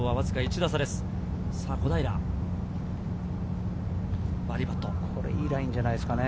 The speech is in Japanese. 打ち切れれば、いいラインじゃないですかね。